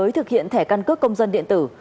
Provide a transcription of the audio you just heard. với thực hiện thẻ căn cước công dân điện tử